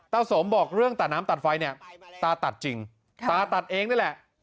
สมบอกเรื่องตัดน้ำตัดไฟเนี่ยตาตัดจริงตาตัดเองนี่แหละ